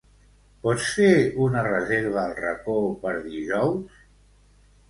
Pots fer una reserva al Racó per dijous?